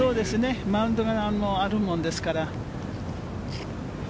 マウンドがあるものですから。